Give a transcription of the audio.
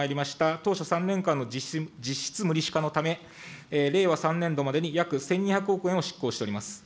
当初３年間の実質無利子化のため、令和３年度までに約１２００億円を執行しております。